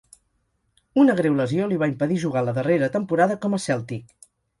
Una greu lesió li va impedir jugar la darrera temporada com a cèltic.